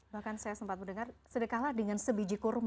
bahkan saya sempat mendengar sedekahlah dengan sebiji kurma